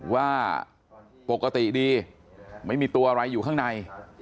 ว่าปกติดีไม่มีตัวอะไรอยู่ข้างใน